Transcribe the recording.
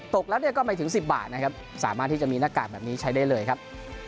ตกแล้วก็ไม่ถึง๑๐บาทนะครับสามารถที่จะมีหน้ากากแบบนี้ใช้ได้เลยครับ